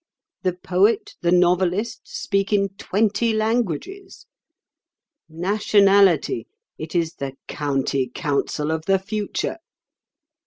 The poet, the novelist, speak in twenty languages. Nationality—it is the County Council of the future.